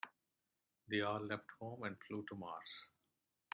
They all left home and flew to Mars.